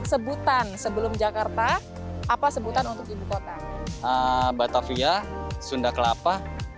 sebutan sebelum jakarta apa sebutan untuk ibu kota batavia sunda kelapa